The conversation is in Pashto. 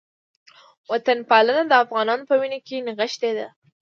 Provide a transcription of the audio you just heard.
وطنپالنه د افغانانو په وینه کې نغښتې ده